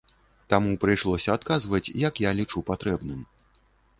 Таму прыйшлося адказваць, як я лічу патрэбным.